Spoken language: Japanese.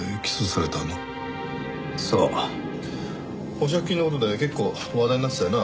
保釈金の事で結構話題になってたよな。